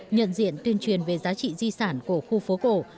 nhận diện tuyên truyền về giá trị di sản của khu phố cổ